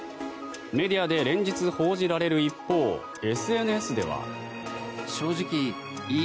メディアで連日報じられる一方ＳＮＳでは。